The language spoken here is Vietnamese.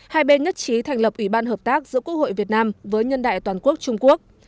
hai bên nhất trí thành lập ủy ban hợp tác giữa quốc hội việt nam với nhân đại toàn quốc trung quốc